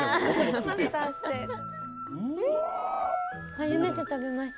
初めて食べました。